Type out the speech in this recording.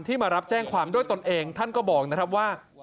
มารับแจ้งความด้วยตนเองท่านก็บอกนะครับว่า